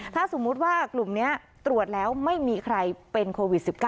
ถ้าสมมุติว่ากลุ่มนี้ตรวจแล้วไม่มีใครเป็นโควิด๑๙